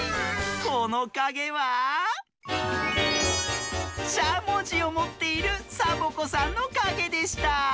このかげはしゃもじをもっているサボ子さんのかげでした。